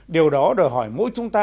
điều đó đòi hỏi mỗi chúng ta